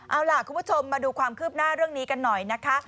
เอาล่ะคุณผู้ชมมาดูความคืบหน้าเรื่องนี้กันหน่อยนะคะ